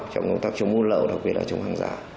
trong công tác chống buôn lậu đặc biệt là chống hàng giả